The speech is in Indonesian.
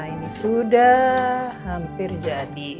ini sudah hampir jadi